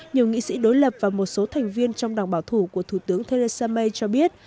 nhiều nghị sĩ đối lập và một số thành viên trong đảng bảo thủ của thủ tướng theresa may cho biết